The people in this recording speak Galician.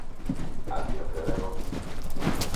Ante o que vemos.